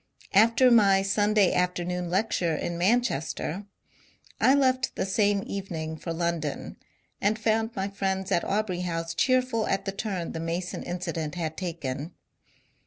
After my Sunday afternoon lecture in Manchester, I left the same evening for London, and found my friends at Aubrey House cheerful at the turn the Mason incident had taken.